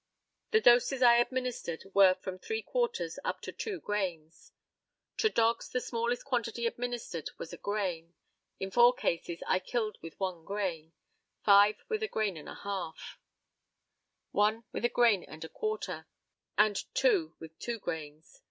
The doses I administered were from three quarters up to two grains. To dogs, the smallest quantity administered was a grain. In four cases, I killed with one grain, five with a grain and a half, one with a grain and a quarter, and two with two grains.